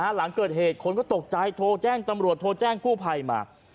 หลังเกิดเหตุคนก็ตกใจโทรแจ้งตำรวจโทรแจ้งกู้ภัยมา